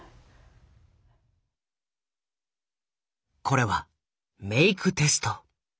これはメイクテスト。